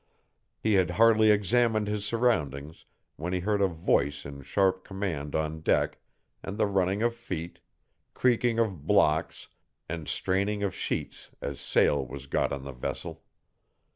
He had hardly examined his surroundings when he heard a voice in sharp command on deck, and the running of feet, creaking of blocks, and straining of sheets as sail was got on the vessel.